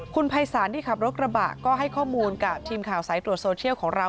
คุณภัยศาลที่ขับรถกระบะก็ให้ข้อมูลกับทีมข่าวสายตรวจโซเชียลของเรา